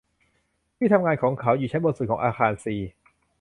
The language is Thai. ที่ทำงานของเขาอยู่ชั้นบนสุดของอาคารซี